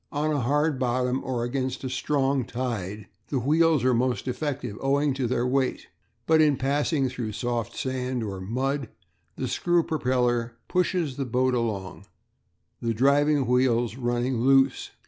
On a hard bottom or against a strong tide the wheels are most effective owing to their weight, but in passing through soft sand or mud the screw propeller pushes the boat along, the driving wheels running "loose."